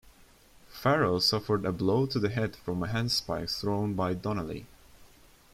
Farrell suffered a blow to the head from a handspike thrown by Donnelly.